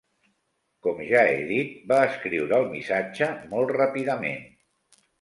Com ja he dit, va escriure el missatge molt ràpidament.